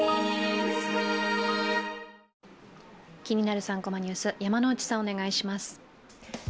気になる「３コマニュース」、山内さん、お願いします。